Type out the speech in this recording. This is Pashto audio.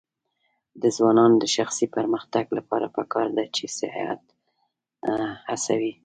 د ځوانانو د شخصي پرمختګ لپاره پکار ده چې سیاحت هڅوي.